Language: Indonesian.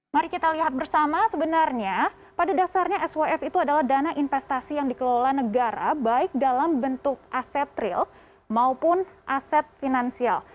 mari kita lihat bersama sebenarnya pada dasarnya swf itu adalah dana investasi yang dikelola negara baik dalam bentuk aset real maupun aset finansial